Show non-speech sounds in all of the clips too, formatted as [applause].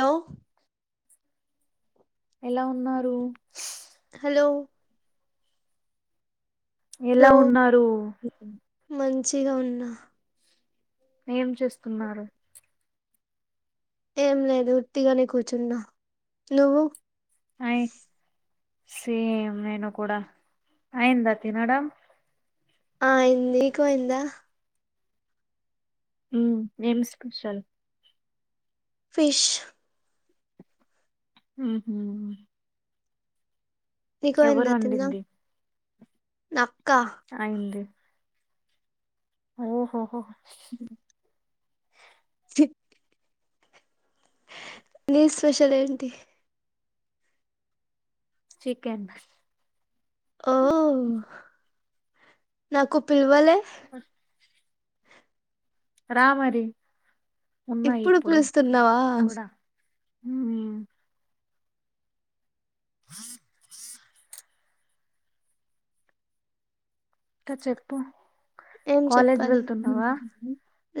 Hello ఎలా ఉన్నార్ రు స్ హలో హలో ఎలా ఉన్నారు. మంచిగా ఉన్నా. ఏం చేస్తున్నారు? ఏం లేదు వుత్తిగానే కూర్చున్నా. నువ్వు? హాయ్! సేమ్ నేను కూడా, అయంద తినడం? ఆ ఐంది. నీకుయిందా? ఊమ్. ఏం స్పెషల్? ఫిష్. ఉహు ఇకు ఎవరు అయ్యిందా తిందాం వండింది నా అయింది ఓహోహో [inaudible] చి నీ స్పెషల్ ఏంటి చికెన్ ఓ నాకు పిలవలే [inaudible] రామరి ఎప్పుడు పిలుస్తున్నావా ఉమ్ [inaudible] ఇంకా చెప్పు ఏం కాలేజ్ చెప్పాలి వెళ్తున్నావా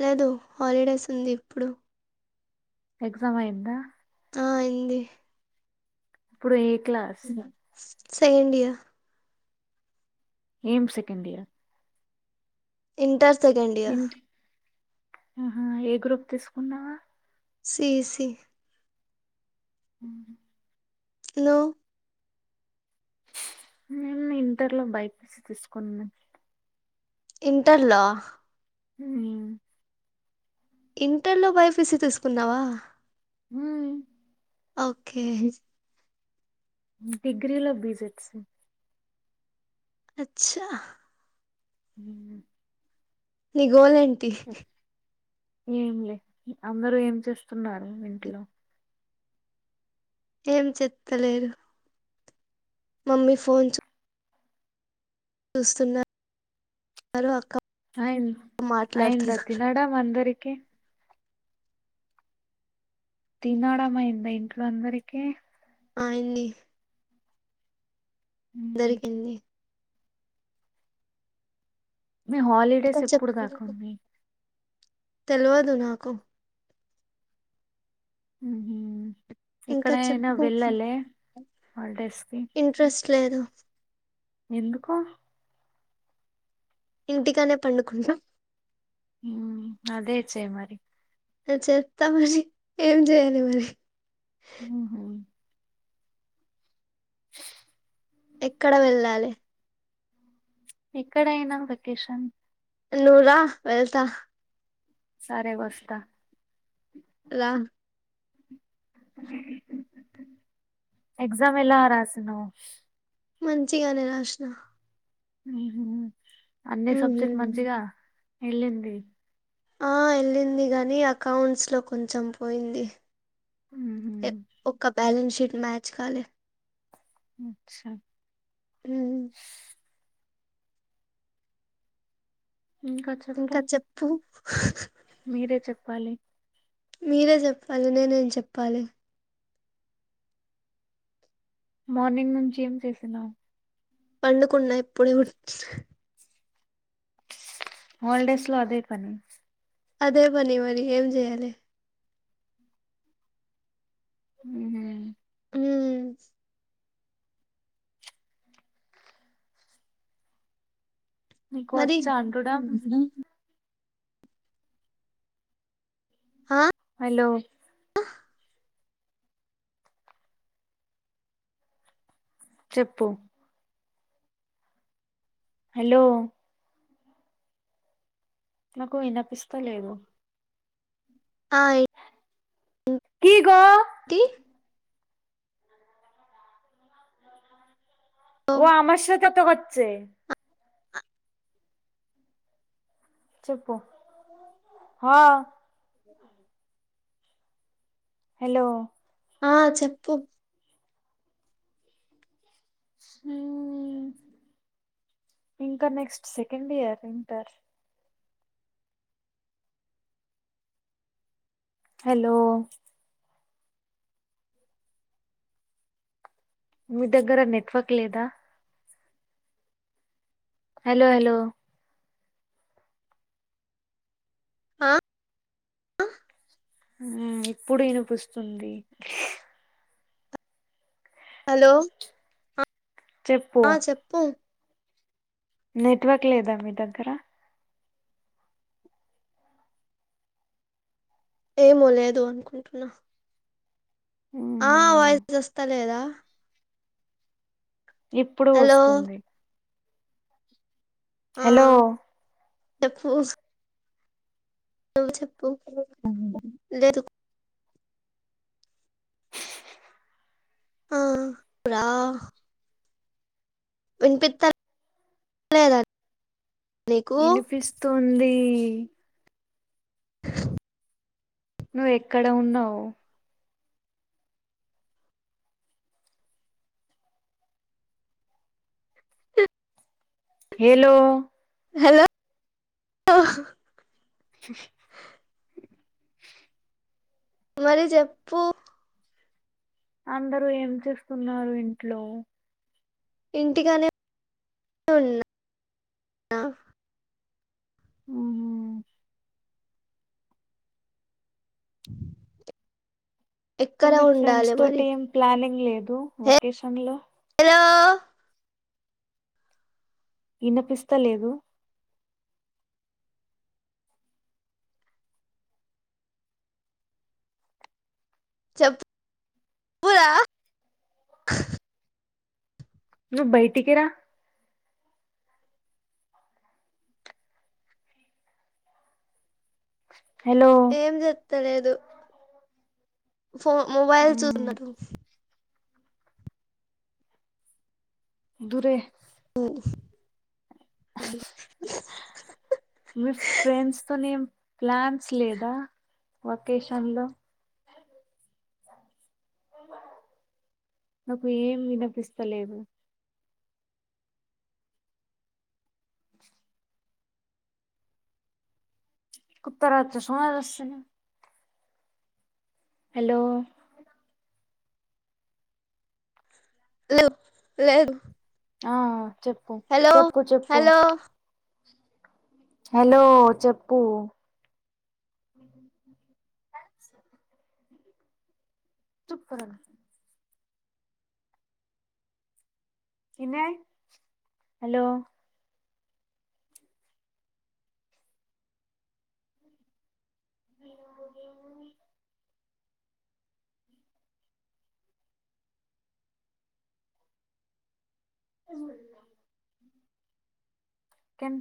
లేదు హాలిడేస్ ఉంది ఇప్పుడు ఎక్సమయిందా ఆ అయింది ఇప్పుడు ఏ క్లాస్ ఇ [inaudible] సాయిండియా ఏం second year inter second year ఏంటి ఆహా ఏ గ్రూప్ తీసుకున్నావా సి సి ఉహు నువ్ నేను ఇంటర్లో బై పి సి తీసుకున్నా ఇంటర్ లో ఉమ్ ఇంటర్లో బైపిసి తీసుకున్నావా ఉం ఓకే డిగ్రీలో బిజెడసి అచ్చా ఉం నిగోల్ ఎం టి ఏం లే అందరూ ఏం చేస్తున్నారు ఇంట్లో ఏం చెత్తాలేదు మమ్మీ ఫోన్ చూ చూస్తున్న హలో అక్కా అయంద అయంద తినడా మందరి కేం తినోడమా ఇంద ఇంట్లో అందరికి అయింది ఉహు. దొరికింది మీ ఇంకా హాలిడేస్ ఎప్పుడు చెప్పు దాకా ఉన్నయి తెల్వదు నాకు [inaudible] ఇంకా ఎక్కడైనా చెప్పు వెళ్లలే హాలిడేస్ కి కేదు ఎందుకు ఇంటిగానే పనుకున్న మ్మ్ అదే చేయ్ మరి టే చేస్తా మరి ఏం చేయాలి మరి మ్మ్ హ్మ్ ఎక్కడ వెళ్ళాలి ఎక్కడైనా వెకేషన్ నువ్వు రా వెళ్తా సరే వస్తా రా ఎగ్జామ్ ఎలా రాసినావ్ మంచిగానే రాసిన మ్మ్ హూ అన్ని సబ్జెక్ట్ మంచిగా ఎల్లింది ఆ ఎల్లింది గానీ అకౌంట్స్ లో కొంచెం పోయింది మ్మ్ ఒక్క బ్యాలెన్స్ షీట్ మ్యాచ్ కాలే మ్మ్ చ మ్మ్ ఇంక చెప్పు మీరే చెప్పాలి మీరే చెప్పాలి నేనేం చెప్పాలి మార్నింగ్ నుంచి ఏం చేస్తున్నావ్ పండుకున్న ఇప్పుడే వచ్ హాలిడేస్ లో అదే పని అదే పని మరి ఏం చేయాలే. హు హ్ హుమ్ నీకు మరి వచ్చా అండుడం. హా హలో ఆ చెప్పు హలో నాకు వినపిస్తా లేదు. ఆయి ఇగో ఓ ఆమసద్ కత హోచ్చే చెప్ [inaudible] [inaudible] [inaudible] హలో ఉ ఆ చెప్పు హ్ ఇంకా next second year inter. Hello మీ దగ్గర నెట్వర్క్ లేదా. హలో హలో ఆ ఆ హ్ ఇప్పుడు వినిపిస్తుంది. హలో చెప్పు ఆ చెప్పు నెట్వర్క్ లేదా మీ దగ్గర? ఏమో లేదు అనుకుంటున్నా. ఆ ఉమ్, వాయిస్ వస్తా లేదా? ఇప్పుడు హలో వస్తుంది. ఆ హలో చెప్పు నువ్వు చెప్పు లేదు ఆ ప్రా వినిపిత్త లేదా నీకు ఇనిపిస్తుంది. ఇ ఆ నువ్వు ఎక్కడ ఉన్నావు. హెలో హలో ఆ ఆ మరి చెప్పు అందరూ ఏం చేస్తున్నారు ఇంట్లో ఇంటిగానే [unintelligible] ఉన్నా ఉమ్మ్ క ఎక్కడ మీ ఫ్రెండ్స్ ఉండాలి మరి తోటి ఏం ప్లానింగ్ లేదు వకేషన్ లో హలో ఇనిపిస్త లేదు చెప్ [unintelligible] ప్పురా నువ్ బయటికిరా హలో తెలియదు ఫో మొబైల్ ఉమ్, చూస్తున్నారు దురే [unintelligible] మీ ఫ్రెండ్స్ తో నేం ప్లాన్స్ లేదా వకేషన్ లో నాకు ఏం వినిపిస్తలేదు కుత్త రాచ్చసుమార్ వస్తును హలో లు లేడు ఆ చెప్పు చెప్పు చెప్పు హలో హలో చెప్పు చుప్పుర చిన్నై హలో [inaudible] [inaudible] కెన్